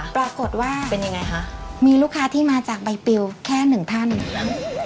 ปรากฏว่ามีลูกค้าที่มาจากใบปิวแค่หนึ่งทันโอเค